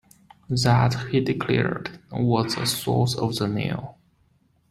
That, he declared, was the source of the Nile.